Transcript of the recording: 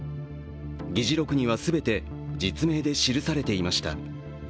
議事録には全て実名で記されていました。